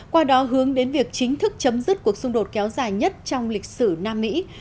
qua đó hướng đến việc chính thức chấm dứt cuộc xung đột kéo dài nhất trong lịch sử nam mỹ